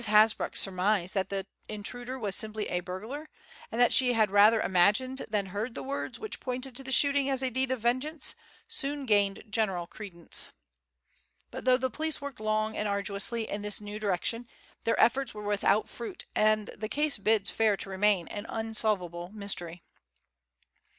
Hasbrouck's surmise that the intruder was simply a burglar, and that she had rather imagined than heard the words which pointed to the shooting as a deed of vengeance, soon gained general credence. But though the police worked long and arduously in this new direction their efforts were without fruit and the case bids fair to remain an unsolvable mystery.